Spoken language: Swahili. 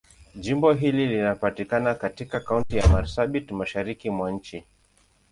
Jimbo hili linapatikana katika Kaunti ya Marsabit, Mashariki mwa nchi.